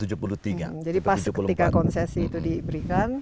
jadi pas ketika konsesi itu diberikan